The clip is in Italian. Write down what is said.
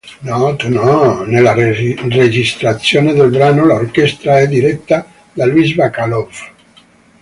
No, tu no"; nella registrazione del brano l'orchestra è diretta da Luis Bacalov.